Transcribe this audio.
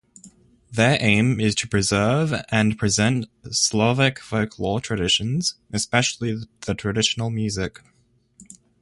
Their aim is to preserve and present Slovak folklore traditions, especially the traditional music.